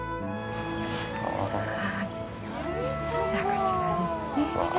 こちらですね。